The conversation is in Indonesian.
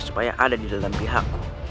supaya ada di dalam pihak